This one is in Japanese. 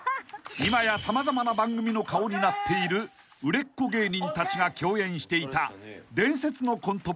［今や様々な番組の顔になっている売れっ子芸人たちが共演していた］